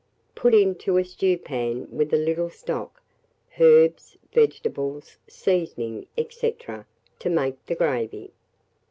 put into a stewpan, with a little stock, herbs, vegetables, seasoning, &c., to make the gravy.